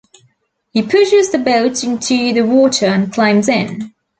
He pushes the boat into the water and climbs in.